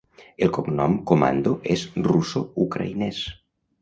El cognom "Komando" és russoucraïnès.